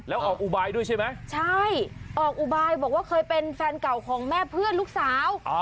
แล้วออกอุบายด้วยใช่ไหมใช่ออกอุบายบอกว่าเคยเป็นแฟนเก่าของแม่เพื่อนลูกสาว